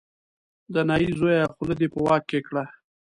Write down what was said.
د نايي زویه خوله دې په واک کې کړه.